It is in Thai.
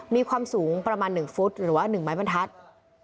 มีความสูงประมาณ๑ฟุตหรือว่า๑ไม้บรรทัศน์